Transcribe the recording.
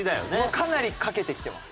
かなりかけてきてます